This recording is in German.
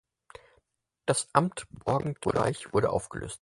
Das Amt Borgentreich wurde aufgelöst.